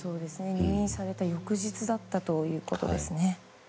入院されて翌日だったということですね。